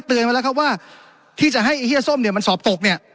แค่เตือนมาแล้วครับว่าที่จะให้ไอ้เหี้ยส้มเหนียวมันสอบตกเนี่ย